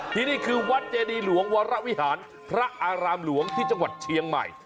ที่นี่คือวัดเจดีหลวงวรวิหารพระอารามหลวงที่จังหวัดเชียงใหม่